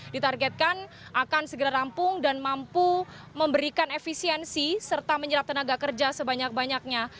ditargetkan akan segera rampung dan mampu memberikan efisiensi serta menyerap tenaga kerja sebanyak banyaknya